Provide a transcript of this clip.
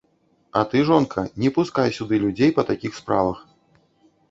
А ты, жонка, не пускай сюды людзей па такіх справах!